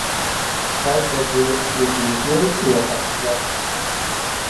Falta de definición e opacidade.